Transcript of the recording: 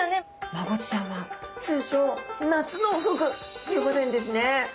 マゴチちゃんは通称夏のフグって呼ばれるんですね。